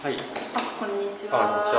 あっこんにちは。